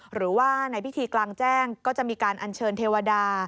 หรือว่าในพิธีกลางแจ้งก็จะมีการอัญเชิญเทวดา